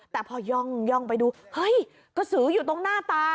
แต่พอย่องไปดูเฮ้ยกระสืออยู่ตรงหน้าตา